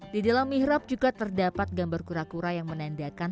di dalam mihrab juga terdapat gambar kura kura yang menandakan